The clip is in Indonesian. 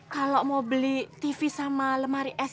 kalau mau beli tv sama lemari es